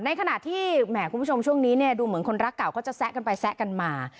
ในขณะที่แหมคุณผู้ชมช่วงนี้เนี่ยดูเหมือนคนรักเก่าเขาจะแซะกันไปแซะกันมา